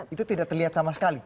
itu tidak terlihat sama sekali